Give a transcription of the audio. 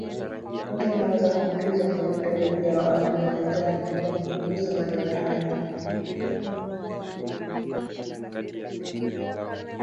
Watu wanaweza kuambukizwa kwenye vidole vyao na viganjani kwa kugusa madonda hayo